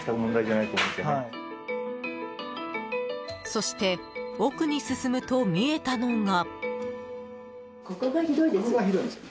そして奥に進むと見えたのが。